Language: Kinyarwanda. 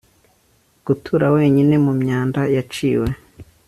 Gutura wenyine mumyanda yaciwe